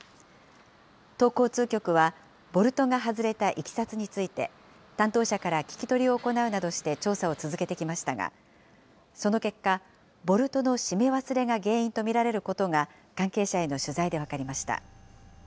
都交通局は、ボルトが外れたいきさつについて、担当者から聞き取りを行うなどして調査を続けてきましたが、その結果、ボルトの締め忘れが原因と見られることが、関係者への取材で分かりました。